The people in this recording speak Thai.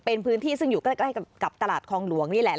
เป็นพื้นที่ซึ่งอยู่ใกล้กับตลาดคลองหลวงนี่แหละ